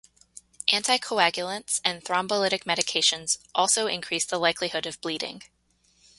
Anticoagulants and thrombolytic medications also increase the likelihood of bleeding.